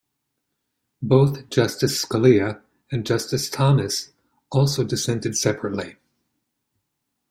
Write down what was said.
Both Justice Scalia and Justice Thomas also dissented separately.